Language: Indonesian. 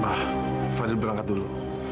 ma fadil berangkat dulu